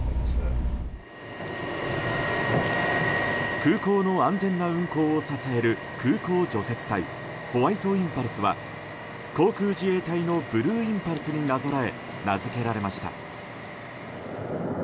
空港の安全な運航を支える空港除雪隊ホワイトインパルスは航空自衛隊のブルーインパルスになぞらえ名づけられました。